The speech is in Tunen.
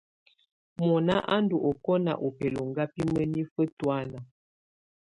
Mɔna a ndù ɔkɔna u bɛlɔŋga bi mǝnifǝ tɔ̀ána.